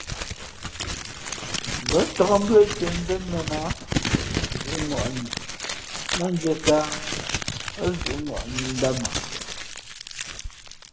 Ngα̌ ncāk mbʉ́ά tiēzēn mēn a zʉ̌ʼŋwαʼni nά ndʉ̄ᾱ tāā ά zʉʼ ŋwαʼni ndāmα.